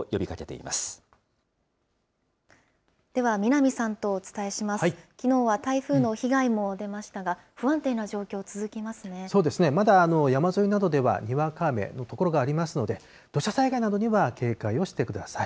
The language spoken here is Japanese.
きのうは台風の被害も出ましたが、そうですね、まだ山沿いなどではにわか雨の所がありますので、土砂災害などには警戒をしてください。